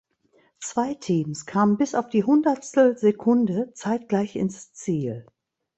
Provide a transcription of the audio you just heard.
Zwei Teams kamen bis auf die Hundertstelsekunde zeitgleich ins Ziel.